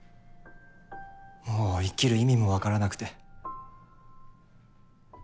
もう生きる意味もわからなくて。